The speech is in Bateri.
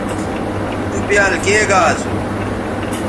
تُو بیال کے گا اسُو